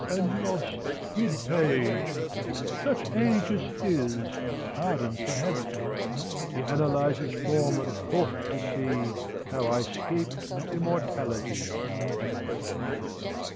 And lost mid page Such age As his pardons the habit, He analyzes form and thought to see How I 'scaped immortality.